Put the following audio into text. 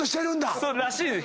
そうらしいです。